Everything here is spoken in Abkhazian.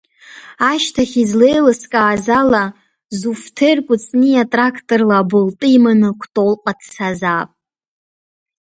Ашьҭахь излеилыскааз ала, Зуфҭер Кәыҵниа тракторла абылтәы иманы Кәтолҟа дцазаап.